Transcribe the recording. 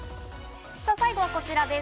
最後はこちらです。